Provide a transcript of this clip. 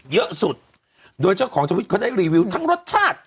เยอะสุดโดยเฉพาะของตัวผู้ใช้คลิปเขาได้รีวิวทั้งรสชาติ